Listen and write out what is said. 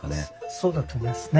そうだと思いますね。